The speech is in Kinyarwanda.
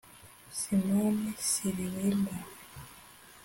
Simon Silwimba